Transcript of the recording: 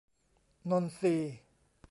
นนทรีย์